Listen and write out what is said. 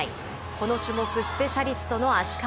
この種目、スペシャリストの芦川。